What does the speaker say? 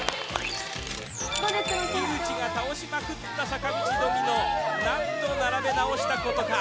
樋口が倒しまくった坂道ドミノ何度並べ直したことか。